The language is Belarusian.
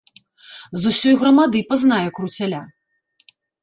З усёй грамады пазнае круцяля!